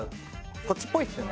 こっちっぽいですよね。